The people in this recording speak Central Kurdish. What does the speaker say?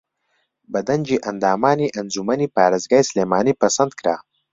بە دەنگی ئەندامانی ئەنجوومەنی پارێزگای سلێمانی پەسەندکرا